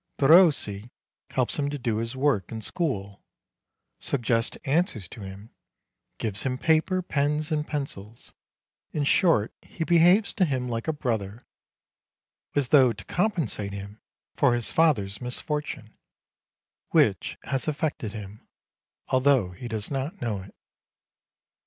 Derossi helps him to do his work in school, suggests answers to him, gives him paper, pens, and pencils; in short, he behaves to him like a brother, as though to com pensate him for his father's misfortune, which has affected him, although he does not know it.